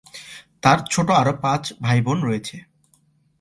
তার ছোট আরও পাঁচ ভাইবোন রয়েছে।